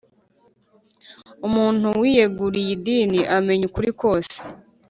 Umuntu wiyeguriye idini amenya ukuri kose